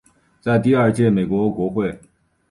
在第二届美国国会。